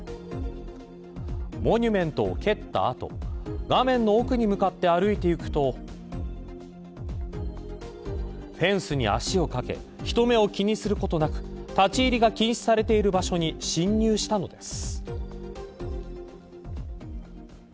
モニュメントを蹴った後画面の奥に向かって歩いていくとフェンスに足を掛け人目を気にすることなく立ち入りが禁止されている場所に侵入したのです。